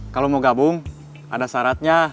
kalau mau gabung ada syaratnya